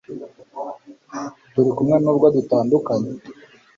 Turi kumwe nubwo dutandukanye